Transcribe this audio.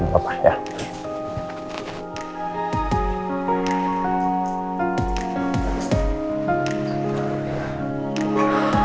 mamah lewat sini m wah